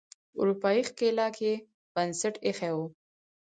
اروپایي ښکېلاک یې بنسټ ایښی و.